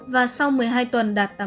và sau một mươi hai tuần đạt tám mươi